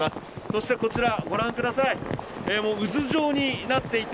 そして、こちらご覧ください。